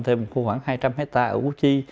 thêm một khu khoảng hai trăm linh hectare ở quốc chi